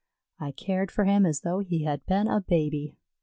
I cared for him as though he had been a baby.